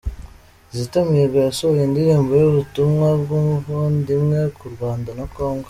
Kizito Mihigo yasohoye indirimbo y’ubutumwa bw’ubuvandimwe k’u Rwanda na kongo